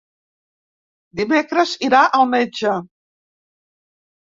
Dimecres irà al metge.